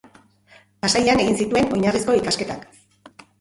Pasaian egin zituen oinarrizko ikasketak.